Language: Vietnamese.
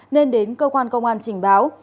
nên đến cơ quan công an trình báo